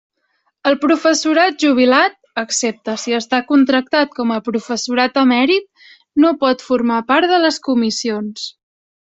El professorat jubilat, excepte si està contractat com a professorat emèrit, no pot formar part de les comissions.